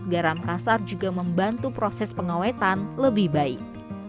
garam kasar juga membantu proses pengawetan lebih baik